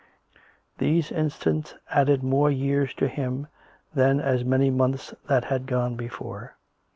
These instants added more years to him than as many months that had gone before.